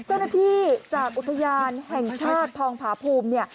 เจ้าหน้าที่จากอุทยานแห่งชาติทองพาพรม